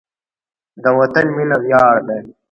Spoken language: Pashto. د وطن مینه ویاړ دی.